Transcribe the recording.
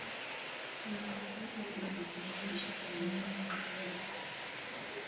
kuongezeka kwa virutubishi kupitia mbolea kwa mifumo ya ikolojia iliyo